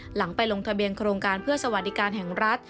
หลังไปลงทะเบียนโครงการเพื่อสวัสดิการแห่งรัฐ